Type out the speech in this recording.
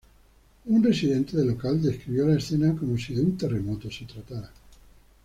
Un residente del local describió la escena como si "de un terremoto se tratara".